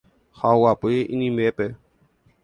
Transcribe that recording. ha oguapy inimbépe.